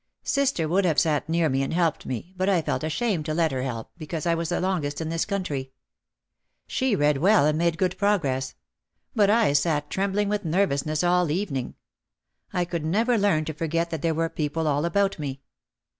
Sister would have sat near me and helped me but I felt ashamed to let her help me because I was the longest in this country. She read well and made good progress. But I sat trem bling with nervousness all evening. I could never learn to forget that there were people all about me.